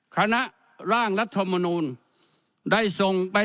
คณะร่างรัฐมนูลได้ทรงประชามาติ